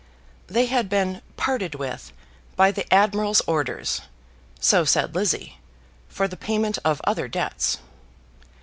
They had been "parted with," by the admiral's orders, so said Lizzie, for the payment of other debts.